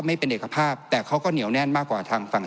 ไม่เป็นเอกภาพแต่เขาก็เหนียวแน่นมากกว่าทางฝั่ง